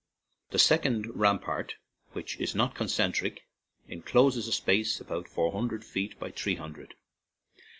The sec ond rampart, which is not concentric, encloses a space about four hundred feet by three hundred.